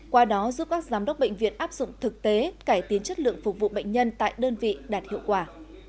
qua đó giúp các giám đốc bệnh viện áp dụng thực tế cải tiến chất lượng phục vụ bệnh nhân tại đơn vị đạt hiệu quả